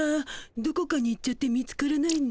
どこかに行っちゃって見つからないの。